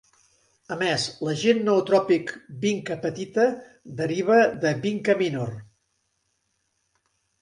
A més, l'agent nootròpic vinca petita deriva de "Vinca minor".